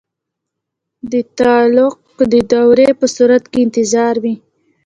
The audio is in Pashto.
د تعلیق د دورې په صورت کې انتظار وي.